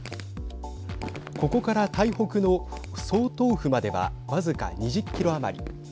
ここから、台北の総統府までは僅か２０キロ余り。